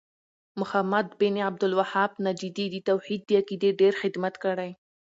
محمد بن عبد الوهاب نجدي د توحيد د عقيدې ډير خدمت کړی